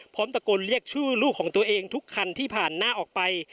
ตะโกนเรียกชื่อลูกของตัวเองทุกคันที่ผ่านหน้าออกไป